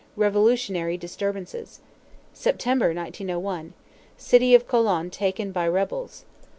Revolutionary disturbances. September, 1901. City of Colon taken by rebels.